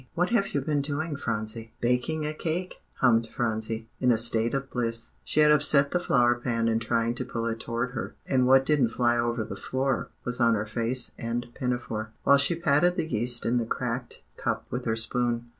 what have you been doing, Phronsie?" "Baking a cake," hummed Phronsie, in a state of bliss. She had upset the flour pan in trying to pull it toward her; and what didn't fly over the floor was on her face and pinafore, while she patted the yeast in the cracked cup with her spoon.